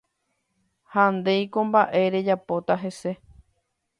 Ha ndéiko mba'e rejapóta hese.